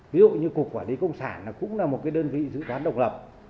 ví dụ như cục quản lý công sản cũng là một đơn vị dự toán độc lập